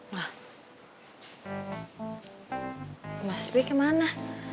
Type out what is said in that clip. wah emasnya gimana